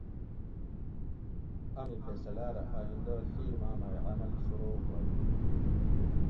امی فیصلاۤ رہ آئندہ ڷی ماۤ مئی عمل شروع ہوئے